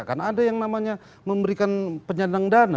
karena ada yang namanya memberikan penyandang dana